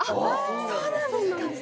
そうなんですか。